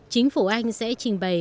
chính phủ anh sẽ trình bày